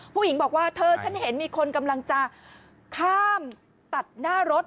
ผู้หญิงบอกว่าเธอฉันเห็นมีคนกำลังจะข้ามตัดหน้ารถ